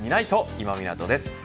今湊です。